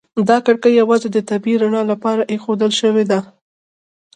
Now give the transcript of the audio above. دا کړکۍ یوازې د طبیعي رڼا لپاره ایښودل شوي دي.